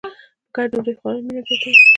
په ګډه ډوډۍ خوړل مینه زیاتوي.